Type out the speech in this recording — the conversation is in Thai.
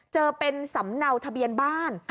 เจอเป็นสำเนาทะเบียนบ้าน